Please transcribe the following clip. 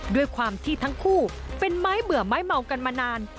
ด้วยความที่ทั้งคู่เป็นไม้เบื่อไม้เมากันมานาน